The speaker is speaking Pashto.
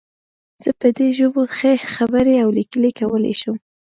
زه په دې ژبو ښې خبرې او لیکل کولی شم